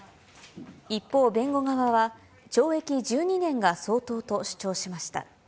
一方、弁護側は、懲役１２年が相当と主張しました。